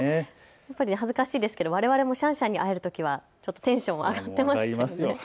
やっぱり恥ずかしいですけどわれわれもシャンシャンに会えるときは、ちょっとテンション上がっていましたよね。